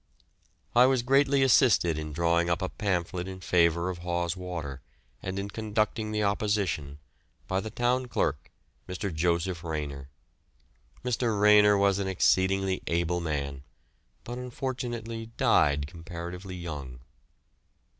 I was greatly assisted in drawing up a pamphlet in favour of Hawes Water, and in conducting the opposition, by the town clerk, Mr. Joseph Rayner. Mr. Rayner was an exceedingly able man, but unfortunately died comparatively young.